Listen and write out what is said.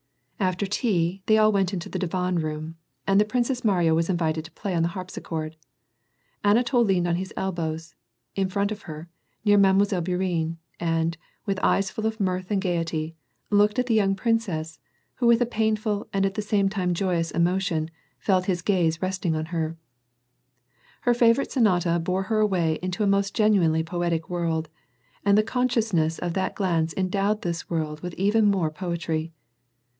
After tea, they all went into the divan room, and the Prin cess Mariya was invited to play on the harpischord. Anatol leaned on his elbows, in front of her, near Mile. Bourienne, and, with eyes full of mirth and gayety, looked at the young princess, who with a painful, and at the same time joyous emo tion, felt his gaze resting on her Her favorite sonata bore her away into a most genuinely poetic world, and the conscious ness of that glance endowed this world with even more poetry.